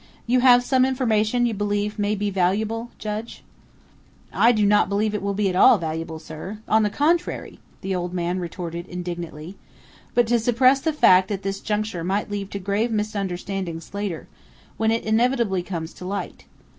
"You have some information you believe may be valuable, Judge?" "I do not believe it will be at all valuable, sir. On the contrary!" the old man retorted indignantly. "But to suppress the fact at this juncture might lead to grave misunderstandings later, when it inevitably comes to light.